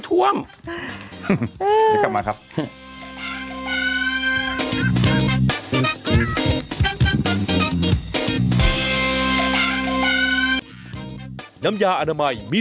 ท่วมไหม